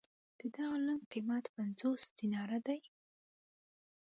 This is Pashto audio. د دغه لنګ قېمت پنځوس دیناره دی.